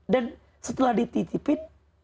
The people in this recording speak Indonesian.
dan setelah dititipin